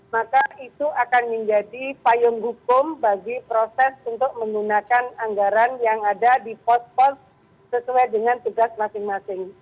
maka itu akan menjadi payung hukum bagi proses untuk menggunakan anggaran yang ada di pos pos sesuai dengan tugas masing masing